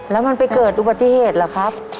แล้วมันไปเกิดอุบัติเหตุเหรอครับ